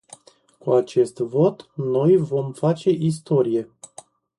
Cu acest vot noi vom face istorie.